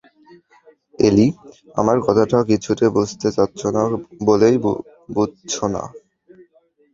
Alley, আমার কথাটা কিছুতে বুঝতে চাচ্ছ না বলেই বুঝছ না।